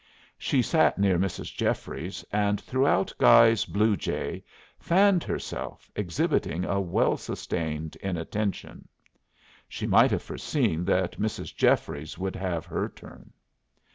She sat near Mrs. Jeffries, and throughout Guy's "Blue Jay" fanned herself, exhibiting a well sustained inattention. She might have foreseen that Mrs. Jeffries would have her turn.